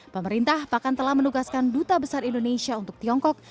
pemerintah bahkan telah menugaskan duta besar indonesia untuk tiongkok